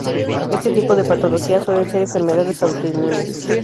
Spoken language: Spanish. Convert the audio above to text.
Este tipo de patologías suelen ser enfermedades autoinmunes.